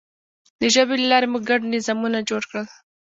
د ژبې له لارې موږ ګډ نظامونه جوړ کړل.